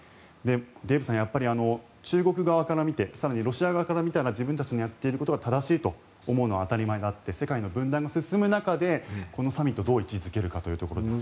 デーブさん、やっぱり中国側から見て更にロシア側から見たら自分たちのやっていることが正しいと思うのは当たり前であって世界の分断が進む中でこのサミットをどう位置付けるかですよね。